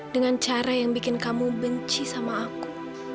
dengan cara yang bikin kamu benci sama aku